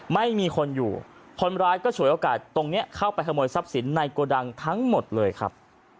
ไม่มีคนอยู่คนร้ายก็ฉวยโอกาสตรงนี้เข้าไปขโมยทรัพย์สินในโกดังทั้งหมดเลยครับ